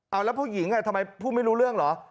เอาแล้วผู้หญิงทำไมพูดไม่รู้เรื่องเหรอ